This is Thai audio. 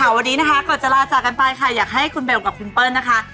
วันนี้นะคะก่อนจะลาจากกันไปค่ะอยากให้คุณเบลกับคุณเปิ้ลนะคะ